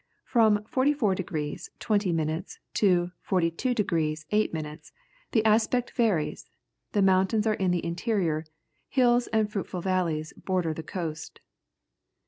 From 44 degrees 20 minutes to 42 degrees 8 minutes the aspect varies, the mountains are in the interior, hills and fruitful valleys border the coast.